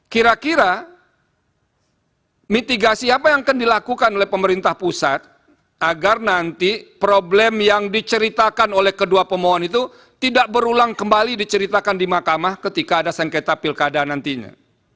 kira kira mitigasi apa yang akan dilakukan oleh pemerintah pusat agar nanti problem yang diceritakan oleh kedua pemohon itu tidak berulang kembali diceritakan di mahkamah ketika ada sengketa pilkada nantinya